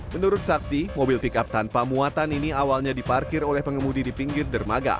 menurut saksi mobil pickup tanpa muatan ini awalnya diparkir oleh pengemudi di pinggir dermaga